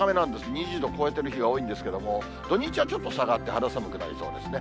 ２０度超えてる日が多いんですけども、土日はちょっと下がって、肌寒くなりそうですね。